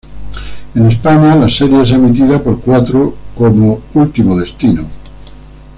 En España, la serie es emitida por Cuatro como "Último destino".